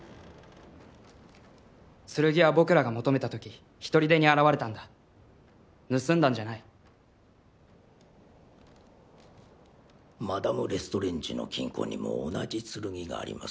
剣は僕らが求めた時ひとりでに現れたんだ盗んだんじゃないマダム・レストレンジの金庫にも同じ剣がありますが偽物です